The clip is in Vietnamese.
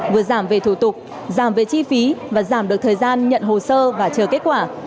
vừa giảm về thủ tục giảm về chi phí và giảm được thời gian nhận hồ sơ và chờ kết quả